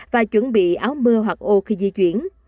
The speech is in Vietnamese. và chuẩn bị áo mưa hoặc ô khi di chuyển